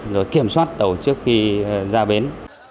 rồi kiểm soát tàu trước khi ra bến